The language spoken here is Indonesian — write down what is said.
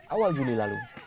awal juli lalu